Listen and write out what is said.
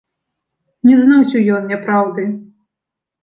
Не зносіў ён няпраўды.